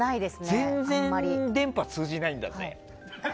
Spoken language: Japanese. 全然電波が通じないんだぜ。